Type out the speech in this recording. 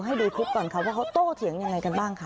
ให้ดูคลิปก่อนค่ะว่าเขาโตเถียงยังไงกันบ้างค่ะ